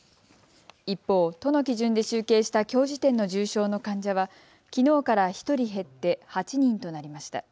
一方、都の基準で集計したきょう時点の重症の患者はきのうから１人減って８人となりました。